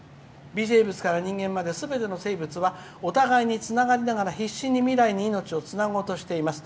微生物から人間まですべての生物はお互いにつながりながら必死に未来に命をつなごうとしています。